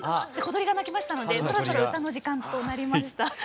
小鳥が鳴きましたのでそろそろ歌の時間となりました。